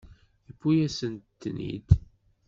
Yewwi-yasent-ten-id.